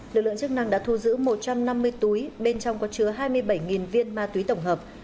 lực lượng chức năng đã thu giữ một trăm năm mươi túi bên trong có chứa hai mươi bảy viên ma túy tổng hợp